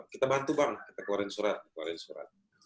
kita bantu bang kita keluarin surat